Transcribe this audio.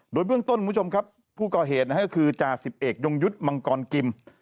โดยเบื้องต้นผู้ก่อเหตุก็คือจาสิบเอกยงยุทธ์มังกรกิม